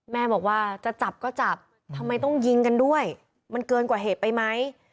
แม่บอกว่าจะจับก็จับทำไมต้องยิงกันด้วยมันเกินกว่าเหตุไปไหม